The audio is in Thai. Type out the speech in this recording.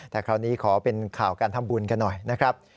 แต่คราวนี้ขอเป็นข่าวการทำบุญกันหน่อยนะครับ